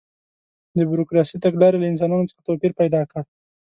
د بروکراسي تګلارې له انسانانو څخه توپیر پیدا کړ.